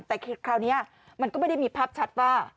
แต่คราวนี้มันก็ไม่ได้มีภาพชัดว่า